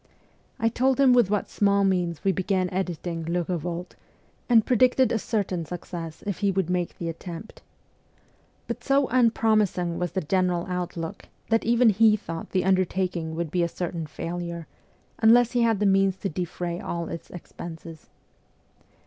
I told him with what small means we began editing ' Le Eevolte,' and predicted a certain success if he would make the attempt. But so unpromising was the general outlook, that even he thought the undertaking would be a certain failure, unless he had the means to defray all its expenses.